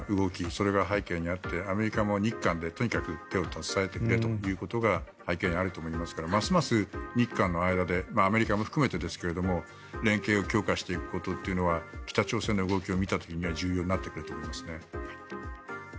それが背景にあってアメリカも日韓で、とにかく手を携えてくれということが背景にあると思いますからますます日韓の間でアメリカも含めてですが連携を強化していくことというのは北朝鮮の動きを見た時には重要になってくると思います。